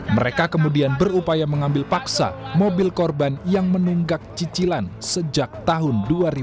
mereka kemudian berupaya mengambil paksa mobil korban yang menunggak cicilan sejak tahun dua ribu